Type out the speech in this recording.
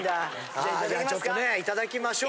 じゃあちょっとねいただきましょう。